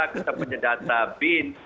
kita punya data bin